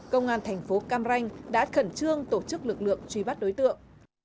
công an thành phố cam ranh đã khẩn trương tổ chức lực lượng truy bắt đối tượng